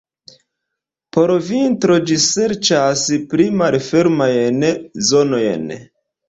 Por vintro ĝi serĉas pli malfermajn zonojn.